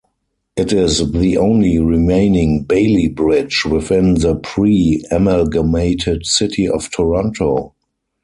It is the only remaining Bailey bridge within the pre-amalgamated City of Toronto.